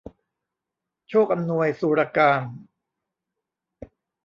โชคอำนวย สุรการ